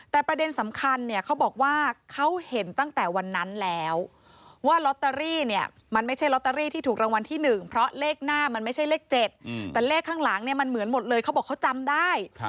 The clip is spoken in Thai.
แต่ประเด็นสำคัญเนี่ยเขาบอกว่าเขาเห็นตั้งแต่วันนั้นแล้วว่าลอตเตอรี่เนี่ยมันไม่ใช่ลอตเตอรี่ที่ถูกรางวัลที่๑เพราะเลขหน้ามันไม่ใช่เลข๗แต่เลขข้างหลังเนี่ยมันเหมือนหมดเลยเขาบอกเขาจำได้